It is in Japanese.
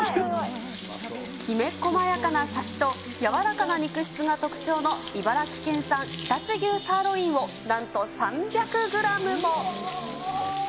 きめ細やかなサシと、柔らかな肉質が特徴の茨城県産常陸牛サーロインをなんと３００グラムも。